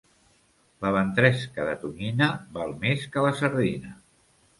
La ventresca de tonyina val més que la sardina.